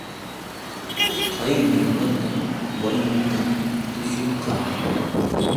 Qayna wata waynutam tushurqaa.